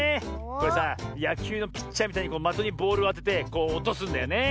これさやきゅうのピッチャーみたいにまとにボールをあててこうおとすんだよね。